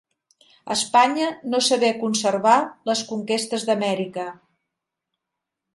Espanya no sabé conservar les conquestes d'Amèrica.